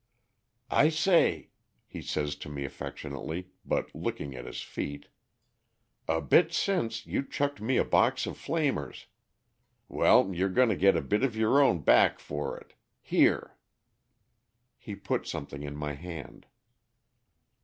"I say," he says to me affectionately, but looking at his feet, "a bit since, you chucked me a box of flamers. Well, you're going to get a bit of your own back for it. Here!" He puts something in my hand.